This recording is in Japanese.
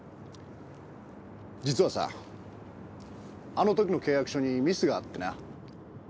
実はさあのときの契約書にミスがあってな。